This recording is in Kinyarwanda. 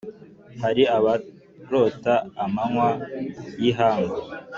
hari abarota amanywa y ' ihangu,